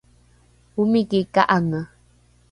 omiki ka’ange